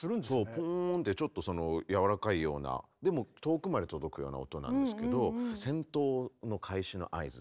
ポーンってちょっと柔らかいようなでも遠くまで届くような音なんですけど。